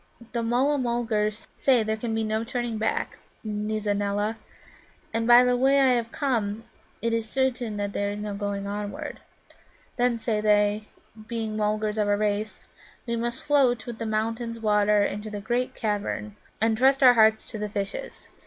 "The Mulla mulgars say there can be no turning back, Nizza neela. And, by the way I have come, it is certain that there is no going onward. Then, say they, being Mulgars of a race, we must float with the mountain water into the great cavern, and trust our hearts to the fishes.